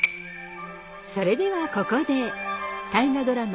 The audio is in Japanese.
それではここで大河ドラマ